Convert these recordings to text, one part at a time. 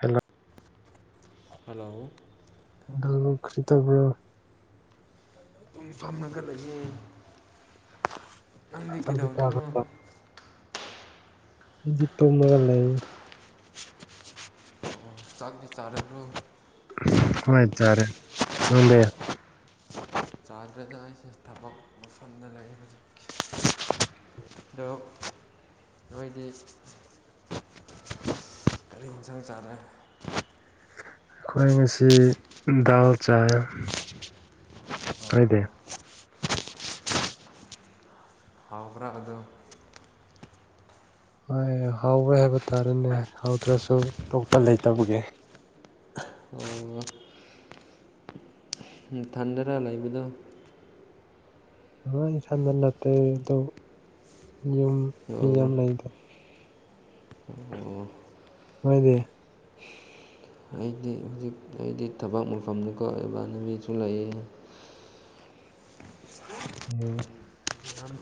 Hello hello [unintelligible] ꯈ꯭ꯔꯤ ꯇꯧꯕ꯭ꯔꯣ ꯗꯨꯨꯝ ꯐꯝꯔꯒ ꯂꯩꯌꯦ ꯅꯪꯗꯤ ꯆꯥꯛꯇꯤ ꯀꯩꯗꯧꯔꯤꯅꯣ ꯆꯥꯈ꯭ꯔꯕꯣ ꯑꯩꯗꯤ ꯇꯨꯝꯔꯒ ꯂꯩ ꯑꯣ ꯆꯥꯛꯗꯤ ꯆꯥꯔꯕ꯭ꯔꯣ ꯍꯣꯏ ꯆꯔꯦ [unintelligible] ꯆꯥꯗ꯭ꯔꯦꯗ ꯑꯩꯁꯦ ꯊꯕꯛ ꯃꯐꯝꯗ ꯂꯩꯌꯦ [unintelligible] ꯀꯔꯤ ꯌꯦꯟꯁꯥꯡ ꯆꯥꯕ꯭ꯔ ꯑꯩꯈꯣꯏ ꯉꯁꯤ ꯗꯥꯜ ꯆꯥꯏꯌꯦ ꯀꯥꯏꯗꯩ ꯑꯣ ꯍꯥꯎꯕ꯭ꯔꯥ ꯑꯗꯨ ꯍꯣꯏ ꯍꯥꯎꯋꯦ ꯍꯥꯏꯕ ꯇꯥꯔꯦꯅꯦ ꯍꯥꯎꯇ꯭ꯔꯁꯨ ꯇꯣꯛꯄ ꯂꯩꯇꯕꯒꯤ ꯑꯣ ꯅꯊꯟꯗꯔ ꯂꯩꯕꯗꯣ ꯍꯣꯏ ꯏꯊꯟꯗ ꯅꯠꯇꯦꯗ ꯑꯗꯨ ꯌꯨꯝ ꯃꯤ [inaudible] ꯌꯥꯝ ꯂꯩꯗ ꯑꯣ [unintelligible] ꯑꯩꯗꯤ ꯍꯧꯖꯤꯛ ꯑꯩꯗꯤ ꯊꯕꯛ ꯃꯨꯐꯝꯗꯨ ꯀꯣ [unintelligible] ꯂꯩꯌꯦ ꯎꯝ ꯌꯥꯝ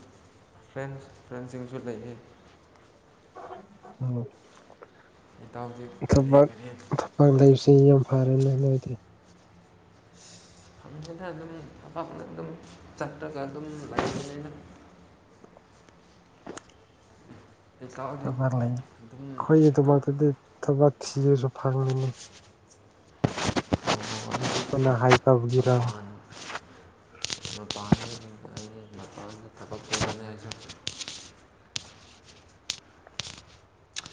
ꯐ꯭ꯔꯦꯟ ꯐ꯭ꯔꯦꯟꯁꯤꯡꯁꯨ ꯂꯩꯌꯦ ꯑꯣ ꯏꯇꯥꯎꯗꯤ ꯀꯔꯤ ꯀꯔꯤ [unintelligible] ꯌꯥꯝ ꯐꯔꯦꯅꯦ ꯅꯣꯏꯗꯤ ꯑꯗꯨꯗ ꯑꯗꯨꯝ ꯃꯐꯝ ꯑꯃꯗ ꯑꯗꯨꯝ ꯆꯠꯇ꯭ꯔꯒ ꯑꯗꯨꯝ [unintelligible] ꯍꯧꯖꯤꯛꯀꯥꯟꯗꯤ ꯊꯕꯛ ꯂꯩ ꯑꯗꯨꯝ ꯑꯩꯈꯣꯏꯒꯤꯗꯃꯛꯇꯗꯤ ꯊꯕꯛ ꯊꯤꯔꯁꯨ ꯐꯪꯉꯅꯤ ꯑꯩꯈꯣꯏꯅ ꯍꯥꯏ [unintelligible] ꯃꯄꯥꯟ ꯃꯄꯥꯟ [unintelligible] ꯃꯄꯥꯟꯗ ꯊꯕꯛ ꯇꯧꯕꯅ‌ꯦ ꯍꯥꯏꯁꯤꯔ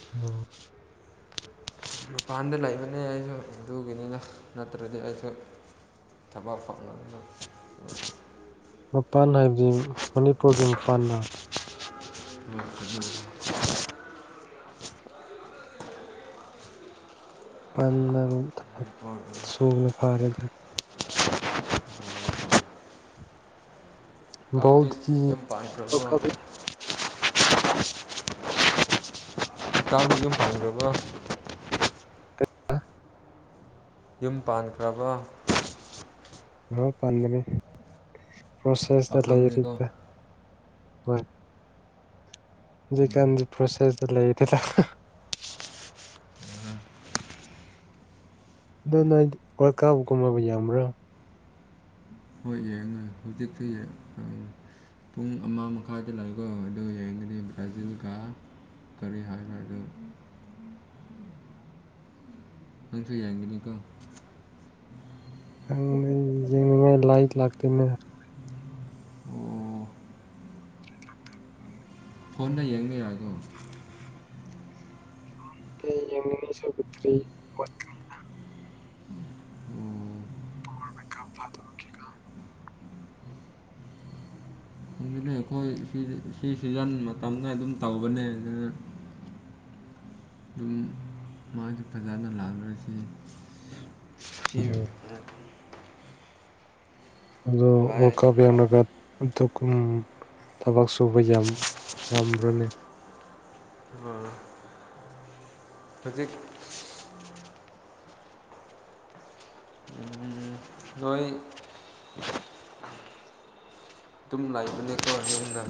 [unintelligible] ꯃꯄꯥꯟꯗ ꯂꯩꯕꯅꯤꯅ ꯑꯩꯁꯨ ꯑꯗꯨꯒꯤꯅꯤꯅ ꯅꯠꯇ꯭ꯔꯗꯤ ꯑꯩꯁꯨ ꯊꯕꯛ ꯐꯪꯅ [unintelligible] ꯃꯄꯥꯟ ꯍꯥꯏꯕꯗꯤ ꯃꯅꯤꯄꯨꯔꯒꯤ ꯃꯄꯥꯟꯅ [unintelligible] ꯄꯥꯟꯗ [unintelligible] ꯊꯕꯛ ꯁꯨꯕꯅ ꯐꯥꯔꯦꯗ ꯇꯥꯎꯗꯤ ꯕꯣꯜꯗꯤ ꯌꯨꯝ ꯋꯥꯔꯜ ꯄꯥꯟꯈ꯭ꯔꯕ‌ꯣ ꯀꯞꯇ ꯏꯇꯥꯎꯗꯤ ꯌꯖꯝ ꯄꯥꯟꯈ꯭ꯔꯕ‌ꯣ ꯌꯨꯝ ꯄꯥꯟꯈ꯭ꯔꯕ‌ ꯑꯣ ꯄꯥꯟꯒꯅꯤ ꯄ꯭ꯔꯣꯁꯦꯁꯇ ꯄꯥꯈꯪꯅꯤꯀꯣ ꯂꯩꯔꯤꯗ ꯍꯣꯏ ꯍꯧꯖꯤꯀꯥꯟꯗꯤ ꯐ꯭ꯔꯣꯁꯦꯁꯗ ꯂꯩꯇ‌ꯦꯗ ꯑꯗꯨ ꯅ‌ꯣꯏ ꯋꯥ‍꯭ꯔꯜ ꯀꯞꯀꯨꯝꯕ ꯌ‌ꯦꯡꯕ꯭ꯔꯣ ꯍꯣꯏ ꯌꯦꯡꯉꯦ ꯍꯧꯖꯤꯛꯇꯤ [unintelligible] ꯄꯨꯡ ꯑꯃ ꯃꯈꯥꯏꯗ ꯂꯩꯕ ꯑꯗꯨ ꯌꯦꯡꯒꯅꯤ ꯕ꯭ꯔꯥꯖꯤꯜꯒ꯫ ꯀꯔꯤ ꯍꯥꯏꯕ꯭ꯔꯥ ꯑꯗꯨ꯫ ꯅꯪꯁꯨ ꯌꯦꯡꯒꯅꯤꯀꯣ꯫ ꯍꯪ ꯌꯦꯡꯅꯤꯡꯉꯥꯏ ꯂꯥꯏꯠ ꯂꯥꯛꯇꯦꯅꯦ꯫ ꯑꯣ꯫ ꯐꯣꯟꯗ ꯌꯦꯡꯕ ꯌꯥꯏꯀ‌ꯣ ꯑꯩ ꯌ‌ꯦꯡ [unintelligible] ꯁꯧꯒꯠꯇ꯭ꯔꯤ ꯑꯣ ꯃꯤꯠꯀꯞ ꯐꯇ ꯀꯤ [unintelligible] ꯈꯪꯗꯦꯅꯦ ꯑꯩꯈꯣꯏ ꯁꯤ ꯁꯤ ꯁꯤꯖꯟ ꯃꯇꯝꯗ ꯑꯗꯨꯝ ꯇꯧꯕꯅꯦ ꯑꯗꯨ ꯑꯗꯨꯝ ꯃꯥꯒꯤ ꯐꯥꯖꯅ ꯂꯥꯛꯂꯔꯁꯤ꯫ ꯎꯝ ꯑꯗꯣ ꯂꯥꯏ ꯋꯥ꯭ꯔꯜ ꯀꯞ ꯌ‌‌ꯦꯡꯂꯒꯠ ꯑꯗꯨꯒꯨꯝ ꯊꯕꯛ ꯁꯨꯕ ꯌꯥꯝ ꯉꯝꯕ꯭ꯔꯣꯅꯦ꯫ ꯑꯥ ꯍꯧꯖꯤꯛ ꯎꯝ ꯅꯣꯏ꯫ ꯇꯨꯝ ꯂꯩꯕꯅ‌ꯦꯀꯣ ꯌꯨꯝꯗ꯫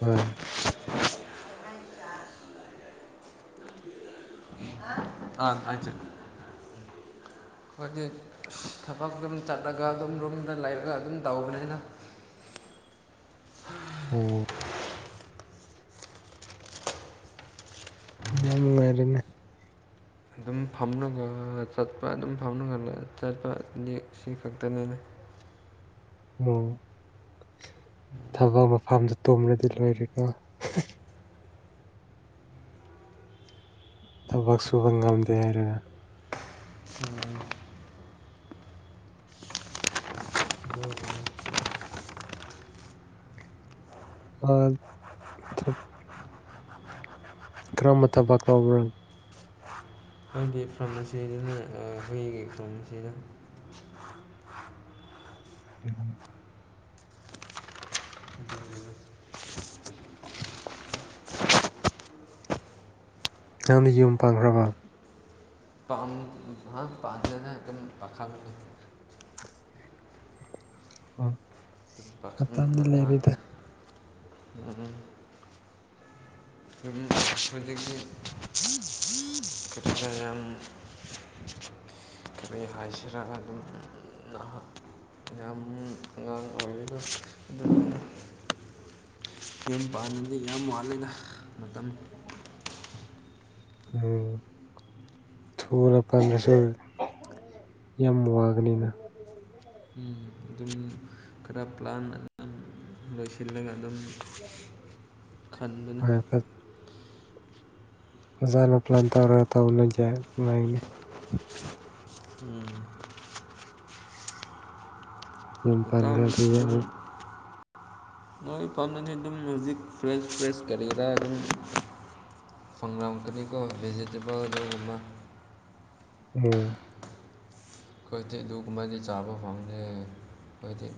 ꯍꯣꯏ꯫ ꯑꯥ ꯑꯥꯏ ꯆ‌ꯦ ꯑꯩꯈꯣꯏꯗꯤ ꯊꯕꯛ ꯗꯨꯝ ꯆꯠꯂꯒ ꯗꯨꯝ ꯔꯨꯝꯗ ꯂꯩꯔꯒ ꯑꯗꯨꯝ ꯇꯧꯕꯅꯤꯅ ꯎꯝ꯫ ꯌꯥꯝ ꯅꯨꯡꯉꯥꯏꯔꯦꯅꯦ꯫ ꯑꯗꯨꯝ ꯐꯝꯅꯒ ꯆꯠꯄ ꯑꯗꯨꯝ ꯐꯝꯅꯒ ꯆꯠꯄ ꯅ‌ꯦ ꯁꯤ ꯈꯛꯇꯅꯤꯅꯦ꯫ ꯑꯣ ꯊꯕꯛ ꯃꯐꯝꯗ ꯇꯨꯝꯔꯗꯤ ꯂꯣꯏꯔꯦꯀꯣ ꯊꯕꯛ ꯁꯨꯕ ꯉꯝꯗꯦ ꯍꯥꯏꯔꯒ꯫ ꯎꯝ ꯑꯥꯠ ꯊꯨꯞ ꯀꯔꯝꯕ ꯊꯕꯛ ꯇꯧꯕ꯭ꯔꯥ ꯑꯩꯈꯣꯏꯒꯤ ꯐꯥꯔꯝ ꯑꯁꯤꯅ ꯑ ꯍꯨꯏꯒꯤ ꯊꯣꯡ ꯑꯁꯤꯗ [inaudible] [unintelligible] [unintelligible] ꯅꯪꯗꯤ ꯌꯨꯝ ꯄꯥꯟꯈ꯭ꯔꯕ ꯄꯥꯝ ꯑꯍ ꯄꯥꯟꯗꯦꯗ ꯗꯨꯝ ꯄꯥꯈꯪꯅꯦ ꯑꯣ ꯄꯥꯈꯪ ꯃꯇꯝꯗꯤ ꯂꯩꯔꯤꯗ ꯎꯝ ꯎꯝ [unintelligible] ꯍꯨꯖꯤꯛꯇꯤ [unintelligible] ꯀꯤꯇ꯭ꯔ ꯌꯥꯝ ꯀꯩ ꯍꯥꯏꯁꯤꯔ ꯑꯗꯨꯝ ꯑꯍ ꯌꯥꯝ ꯑꯉꯥꯡ ꯑꯣꯏꯔꯤꯗ ꯗꯨꯝ ꯌꯨꯝ ꯄꯥꯟꯕꯗꯤ ꯌꯥꯝ ꯋꯥꯠꯂꯤꯗ ꯃꯇꯝ ꯎꯝ ꯊꯨꯅ ꯄꯥꯟꯗ꯭ꯔꯁꯨ ꯌꯥꯝ ꯋꯥꯒꯅꯤꯅ ꯎꯝ ꯑꯗꯨꯝ ꯈꯔ ꯄ꯭ꯂꯥꯟ ꯂꯣꯏꯁꯤꯜꯂꯒ ꯑꯗꯨꯝ ꯈꯟꯕꯅꯤ ꯍꯣꯏꯌꯦ ꯐꯠ ꯑꯣꯖꯥꯅ ꯄ꯭ꯂꯥꯟ ꯇꯧꯔꯒ ꯇꯧꯅꯣꯏꯖꯦ ꯃꯥꯏꯅꯤ ꯎꯝ ꯌꯨꯝ ꯎꯠꯇꯥꯃꯤ ꯄꯥꯟꯈ꯭ꯔꯗꯤ ꯑꯗꯨꯝ ꯑꯃꯨꯛ ꯅꯣꯏ ꯐꯥꯝꯅꯅꯤ ꯑꯗꯨꯝ ꯃ꯭ꯌꯨꯖꯤꯛ ꯐ꯭ꯔꯦꯁ ꯐ꯭ꯔꯦꯁ ꯀꯔꯤꯔꯥ ꯑꯗꯨꯝ ꯐꯪꯂꯝꯀꯅꯤꯀꯣ ꯚꯦꯖꯤꯇꯦꯕꯜ ꯑꯗꯨꯒꯨꯝꯕ ꯎꯝ ꯑꯩꯈꯣꯏꯗꯤ ꯑꯗꯨꯒꯨꯝꯕꯗꯤ ꯆꯥꯕ ꯐꯪꯗꯦ ꯑꯩꯈꯣꯏꯗꯤ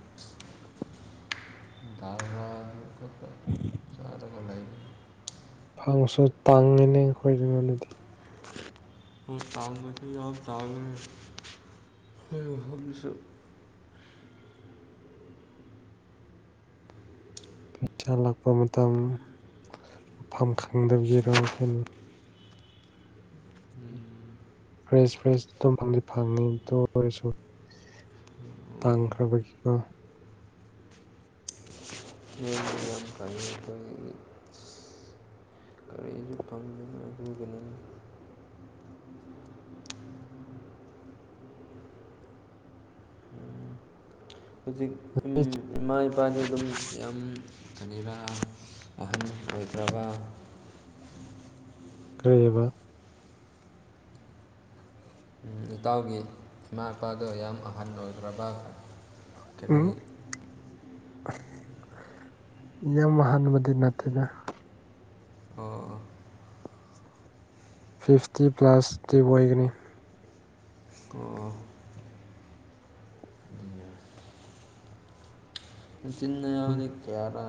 ꯇꯥꯕ꯭ꯔꯣ [unintelligible] ꯐꯪꯁꯨ ꯇꯥꯡꯉꯤꯅꯤ ꯑꯩꯈꯣꯏꯔꯣꯟꯗꯗꯤ ꯎꯝ ꯇꯥꯡꯕꯗꯤ ꯌꯥ ꯇꯥꯡꯉꯦ ꯈꯣꯏꯔꯣꯝꯍꯝꯁꯨ ꯄꯩꯁꯥ ꯂꯥꯛꯄ ꯃꯇꯝ ꯃꯐꯝ ꯈꯪꯗꯕꯒꯤꯔꯣ ꯑꯩꯈꯣꯏꯅ ꯐ꯭ꯔꯦꯁ ꯐ꯭ꯔꯦꯁꯇꯨꯝ ꯐꯪꯗꯤ ꯐꯪꯉꯤ ꯗꯨ ꯑꯣꯏꯔꯁꯨ ꯇꯥꯡꯈ꯭ꯔꯕꯒꯤꯀꯣ ꯅꯣꯏ ꯃꯌꯥꯝ [unintelligible] ꯇꯝ ꯀꯔꯤꯁꯨ ꯐꯝꯕꯅꯣ ꯑꯗꯨꯒꯤꯅꯣ ꯍꯧꯖꯤꯛ [unintelligible] ꯏꯃꯥ ꯏꯄꯥꯗꯤ ꯑꯗꯨꯝ ꯌꯥꯝ ꯀꯅꯤꯔ ꯑꯍꯟ ꯑꯣꯏꯈ꯭ꯔꯕ ꯀꯩꯑꯕ ꯏꯇꯥꯎꯒꯤ ꯏꯃꯥ ꯏꯄꯥꯗꯣ ꯌꯥꯝ ꯑꯍꯟ ꯑꯣꯏꯈ꯭ꯔꯕ ꯎꯝ ꯀꯔꯤꯒꯤ ꯌꯥꯝ ꯑꯍꯟꯕꯨꯗꯤ ꯅꯠꯇꯦꯗ ꯑꯣ ꯐꯤꯐꯇꯤ ꯄ꯭ꯂꯁꯇꯤ ꯑꯣꯏꯒꯅꯤ ꯑꯣ ꯅꯆꯤꯟ ꯅꯅꯥꯎꯅ ꯀꯌꯥꯔ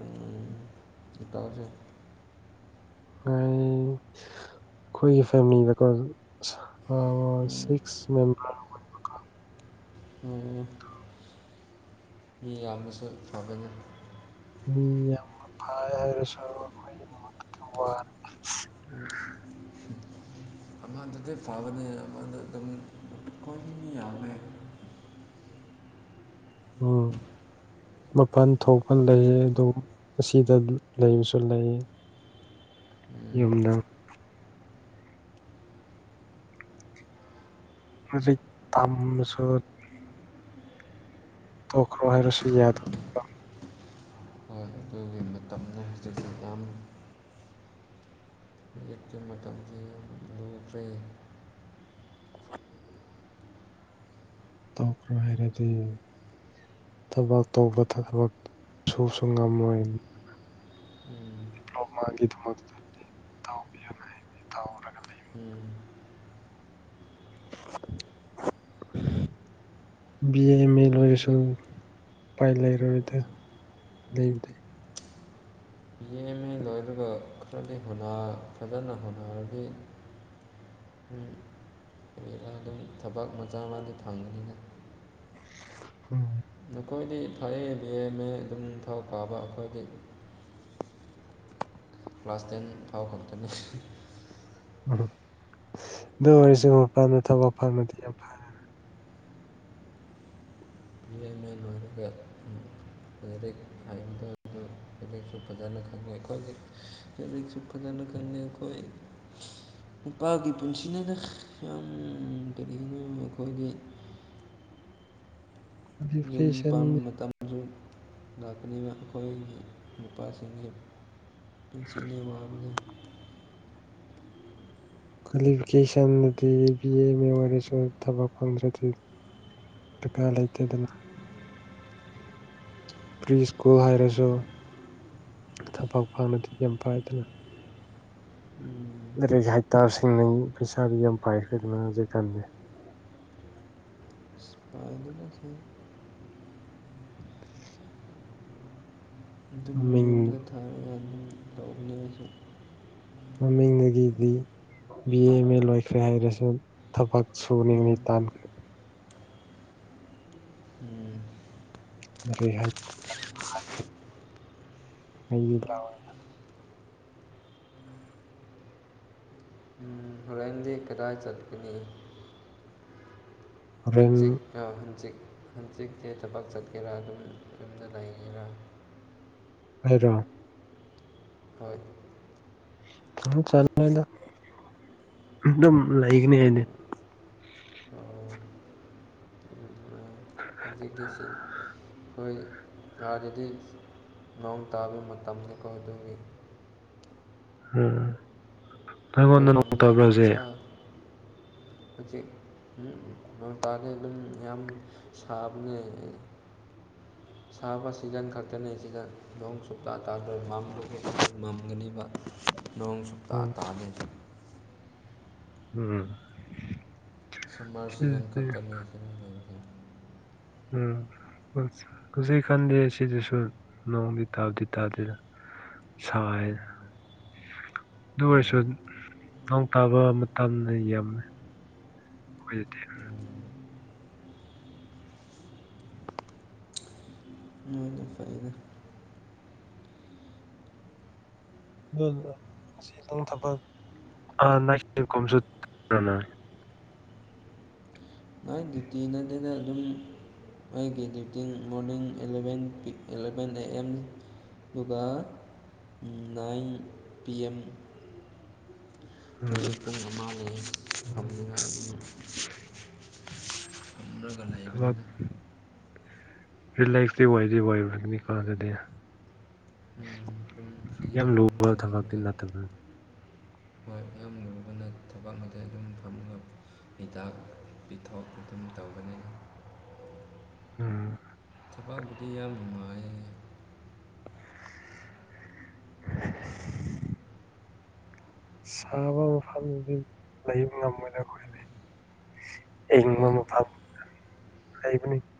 ꯎꯝ ꯏꯇꯥꯎꯖꯦ ꯃꯔꯤꯅꯤ ꯑꯩꯈꯣꯏꯒꯤ ꯐꯦꯃꯤꯂꯤꯗꯀꯣ ꯁ ꯁꯤꯛꯁ ꯃꯦꯝ ꯑꯣ ꯃꯤ ꯌꯥꯝꯅꯁꯨ ꯐꯒꯅꯤ꯫ ꯃꯤ ꯌꯥꯝꯅ ꯐꯌꯦ ꯍꯥꯏꯔꯁꯨ ꯑꯩꯈꯣꯏꯒꯤꯗ ꯑꯃꯗꯗꯤ ꯐꯕꯅꯦ ꯑꯃꯗ ꯑꯗꯨꯝ ꯃꯈꯣꯏ ꯃꯤ ꯌꯥꯝꯃꯦ꯫ ꯎꯝ ꯃꯄꯜ ꯊꯣꯛꯄ ꯃꯤ ꯂꯩꯌꯦ ꯑꯗꯨ ꯑꯁꯤꯗ ꯂꯩꯕꯁꯨ ꯂꯩꯌꯦ꯫ ꯌꯨꯝꯅ ꯍꯧꯖꯤ ꯇꯝꯃꯁꯨ ꯇꯣꯛꯈ꯭ꯔꯣ ꯍꯥꯏꯔꯁꯨ ꯌꯥꯗꯣ ꯍꯣꯏ ꯑꯗꯨꯒꯤ ꯃꯇꯝꯅꯦ ꯍꯧꯖꯤꯛꯇꯤ ꯌꯥꯝꯅ ꯍꯧꯖꯤꯛꯇꯤ ꯃꯇꯝꯁꯤ ꯌꯥꯝ ꯂꯨꯈ꯭ꯔꯦ꯫ ꯇꯧꯈ꯭ꯔꯣ ꯍꯥꯏꯔꯗꯤ ꯊꯕꯛ ꯇꯧꯕ ꯊꯕꯛ ꯁꯨꯁꯨ ꯉꯝꯃꯣꯏ ꯎꯝ ꯃꯥꯒꯤꯗꯃꯛꯇꯗꯤ ꯇꯧꯕꯤꯌꯣ ꯇꯧꯔꯒ ꯂꯩꯕ ꯎꯝ ꯕꯤ ꯑꯦ ꯑꯦꯝꯃꯦ ꯂꯣꯏꯔꯁꯨ ꯍꯧꯖꯤꯛꯇꯤ ꯎꯄꯥꯏ ꯂꯩꯔꯔꯣꯏꯗ ꯂꯩꯕꯗꯤ꯫ ꯕꯤꯑꯦ ꯑꯦꯝꯃꯦ ꯂꯣꯏꯔꯒ ꯈꯔꯗꯤ ꯍꯣꯠꯅ ꯐꯖꯅ ꯍꯣꯠꯅꯔꯗꯤ ꯎꯝ ꯀꯔꯤꯔꯥ ꯑꯗꯨꯝ ꯊꯕꯛ ꯃꯆꯥ ꯑꯃꯗꯤ ꯐꯪꯒꯅꯤꯗ꯫ ꯎꯝ ꯅꯈꯣꯏꯗꯤ ꯐꯌꯦ ꯕꯤ ꯑꯦ ꯑꯦꯝ ꯑꯦ ꯑꯗꯨꯝ ꯐꯥꯎ ꯀꯥꯕ ꯑꯩꯈꯣꯏꯗꯤ ꯀ꯭ꯂꯥꯁ ꯇꯦꯟ ꯐꯥꯎ ꯈꯛꯇꯅꯦ꯫ ꯎꯝ ꯑꯗꯨ ꯑꯣꯏꯔꯁꯨ ꯃꯄꯥꯟꯗ ꯊꯕꯛ ꯐꯪꯕꯗꯤ ꯌꯥꯝ ꯐꯌꯦ꯫ ꯕꯤ ꯑꯦ ꯑꯦꯝ ꯃꯦ ꯂꯣꯏꯔꯒ ꯗꯥꯏꯔꯦꯛ [unintelligible] ꯂꯥꯏꯔꯤꯛꯁꯨ ꯐꯖꯅ ꯇꯝꯃꯦ ꯑꯩꯈꯣꯏꯗꯤ ꯂꯥꯏꯔꯤꯛꯁꯨ ꯐꯖꯅ ꯈꯪꯗꯦ ꯑꯩꯈꯣꯏ꯫ ꯅꯨꯄꯥꯒꯤ ꯄꯨꯟꯁꯤꯅꯦꯗ ꯌꯥꯝ ꯀꯔꯤꯒꯤꯅꯣ ꯑꯩꯈꯣꯏꯒꯤ ꯌꯨꯝ ꯀ꯭ꯋꯥꯂꯤꯐꯤꯀꯦꯁꯟ ꯄꯥꯟꯕ ꯃꯇꯝꯁꯨ ꯂꯥꯛꯀꯅꯤꯕ ꯑꯩꯈꯣꯏꯒꯤ ꯅꯨꯄꯥꯁꯤꯡꯒꯤ꯫ ꯄꯨꯟꯁꯤꯅꯦ ꯋꯥꯕꯅꯦ꯫ ꯀ꯭ꯋꯥꯂꯤꯐꯤꯀꯦꯁꯟꯗꯗꯤ ꯕꯤ ꯑꯦ ꯑꯦꯝ ꯑꯦ ꯑꯣꯏꯔꯁꯨ ꯊꯕꯛ ꯐꯪꯖꯗ꯭ꯔꯗꯤ ꯗꯔꯀꯥꯔ ꯂꯩꯇꯦꯗꯅ ꯄ꯭ꯔꯤ ꯁ꯭ꯀꯨꯜ ꯍꯥꯏꯔꯁꯨ ꯊꯕꯛ ꯐꯪꯂꯗꯤ ꯌꯥꯝ ꯐꯩꯏꯗꯅ ꯋꯥꯕꯁꯦ ꯂꯥꯏꯔꯤꯛ ꯍꯩꯇꯥꯔꯁꯤꯡꯅ ꯄꯩꯁꯥꯗꯤ ꯌꯥꯝ ꯄꯥꯏꯈ꯭ꯔꯦꯗꯅ ꯍꯧꯖꯤꯛꯀꯥꯟꯗꯤ [unintelligible] [inaudible] ꯑꯗꯨꯝ ꯃꯤꯡ ꯌꯨꯝꯗ ꯊꯥꯔꯒ ꯑꯗꯨꯝ ꯇꯧꯕꯅꯦ ꯑꯩꯁꯨ ꯃꯃꯤꯡꯗꯒꯤꯗꯤ ꯕꯤ ꯑꯦ ꯑꯦꯝ ꯑꯦ ꯂꯣꯏꯈ꯭ꯔꯦ ꯍꯥꯏꯔꯁꯨ ꯊꯕꯛ ꯁꯨꯅꯤ ꯇꯟꯈ꯭ꯔꯦ ꯀꯔꯤ ꯍꯥꯏ ꯑꯩꯗꯤꯂꯥꯛ ꯎꯝ ꯍꯦꯔꯦꯟꯗꯤ ꯀꯗꯥꯥꯏ ꯆꯠꯀꯅꯤ꯫ ꯍꯣꯔꯦꯟ ꯍꯪꯆꯤꯛ ꯑ ꯍꯪꯆꯤꯛ ꯍꯪꯆꯤꯛꯁꯦ ꯊꯕꯛ ꯆꯠꯀꯦꯔꯥ? ꯑꯗꯨꯝ ꯌꯨꯝꯗ ꯂꯩꯒꯦꯔꯥ? ꯑꯩꯔꯣ? ꯍꯣꯏ [unintelligible] ꯑꯗꯨꯝ ꯂꯩꯒꯅꯤ ꯍꯥꯏꯅꯦ ꯕꯤꯇꯤ ꯁꯤ ꯑꯩꯈꯣꯏ ꯑꯥꯗꯗꯤ ꯅꯣꯡ ꯇꯥꯕ ꯃꯇꯝꯗꯀꯣ ꯑꯗꯨꯒꯤ ꯎꯝ [unintelligible] ꯑꯩꯈꯣꯏ ꯅꯣꯡ ꯐꯝꯅꯦ ꯇꯥꯕ꯭ꯔꯥ ꯅꯨꯡꯁꯥ ꯍꯧꯖꯤꯛ ꯍꯧꯖꯤꯛ ꯎꯝ ꯅꯣꯡ ꯇꯥꯥꯗꯦ ꯑꯗꯨꯝ ꯌꯥꯝ ꯁꯥꯕꯅꯦ ꯁꯥꯥꯕ ꯁꯤꯖꯟ ꯈꯛꯇꯅꯦ ꯁꯤꯗ ꯅꯣꯡ ꯁꯨꯞꯇꯥ ꯇꯥꯗꯣꯏ ꯃꯝꯗꯒꯤ ꯃꯝꯒꯅꯤꯕ ꯅꯣꯡ ꯁꯨꯛꯇꯥ ꯎꯝ ꯇꯥꯗꯦ ꯎꯝ ꯁꯝꯃꯔ ꯁꯤꯖꯟ ꯁꯤꯗꯤ ꯈꯛꯇꯅꯤ [unintelligible] ꯎꯝ ꯍꯧꯖꯤꯛ ꯀꯥꯟꯗꯤ ꯁꯤꯗꯁꯨ ꯅꯣꯡꯗꯤ ꯇꯥꯕꯗꯤ ꯇꯥꯗꯦꯗ ꯁꯥꯏ ꯑꯗꯨ ꯑꯣꯏꯔꯁꯨ ꯅꯣꯡ ꯇꯥꯕ ꯇꯝꯅ ꯌꯥꯝꯃꯤ ꯑꯩꯈꯣꯏꯗꯗꯤ ꯎꯝ ꯑꯗꯨꯅ ꯐꯩꯅꯦ [unintelligible] ꯅꯥꯏꯠ ꯗꯨꯇꯤ ꯅꯗꯅ ꯑꯗꯨꯝ ꯑꯩꯒꯤ ꯗ꯭ꯌꯨꯇꯤꯡ morning eleven P eleven A M ꯑꯗꯨꯒ ꯅꯥꯏꯟ ꯄꯤ ꯑꯦꯝ ꯎꯝ ꯍꯧꯖꯤꯛ ꯄꯨꯡ ꯑꯃ ꯂꯩꯌꯦ ꯐꯝꯅꯤꯡꯉꯥꯏꯒꯤ ꯊꯕꯛ ꯔꯤꯂꯦꯛꯁꯗꯤ ꯑꯣꯏꯗꯤ ꯑꯣꯏꯕꯅꯤꯀꯣ ꯑꯗꯨꯗꯤ ꯑꯗꯨꯝ ꯌꯥꯝ ꯐ꯭ꯔꯤꯗ ꯂꯨꯕ ꯐꯝꯂꯒ ꯊꯕꯛꯇꯤ ꯅꯠꯇꯕ ꯈ ꯌꯥꯝ ꯂꯨꯔꯕꯅ ꯊꯕꯛ ꯑꯗ ꯑꯗꯨꯝ ꯐꯪꯕ ꯉꯝ ꯍꯤꯗꯥꯛ ꯄꯤꯊꯣꯛ ꯑꯗꯨꯝ ꯇꯧꯒꯅꯤ ꯎꯝ ꯊꯕꯛꯄꯨꯗꯤ ꯌꯥꯝ ꯅꯨꯡꯉꯥꯏ [inaudible] ꯁꯥꯕ ꯃꯐꯝꯗꯤ ꯂꯩꯕ ꯉꯝꯃꯣꯏꯅꯦ ꯑꯩꯈꯣꯏꯗꯤ ꯍꯣꯏ [unintelligible]